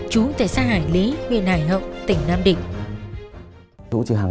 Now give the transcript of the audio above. chú tại xã hải lý huyện hải hậu tỉnh nam định